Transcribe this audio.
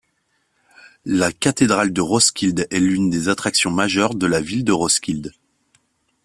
La cathédrale de Roskilde est l'une des attractions majeures de la ville de Roskilde.